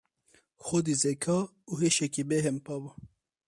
Xwedî zeka û hişekî bêhempa bû.